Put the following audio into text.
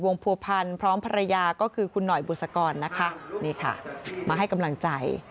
ผัวพันธ์พร้อมภรรยาก็คือคุณหน่อยบุษกรนะคะนี่ค่ะมาให้กำลังใจ